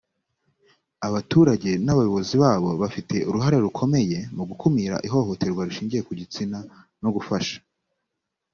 abaturage n abayobozi babo bafite uruhare rukomeye mu gukumira ihohoterwa rishingiye ku gitsina no gufasha